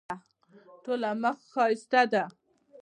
ټوله مخ ښایسته ده.